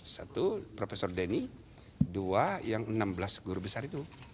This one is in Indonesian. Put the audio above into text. satu profesor denny dua yang enam belas guru besar itu